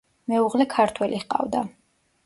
მეუღლე ქართველი ჰყავდა.